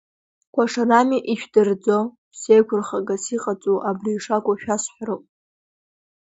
Кәашарами ижәдырӡо, ԥсеиқәырхагас иҟаӡоу абри шакәу шәасҳәароуп!